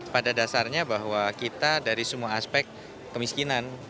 pada dasarnya bahwa kita dari semua aspek kemiskinan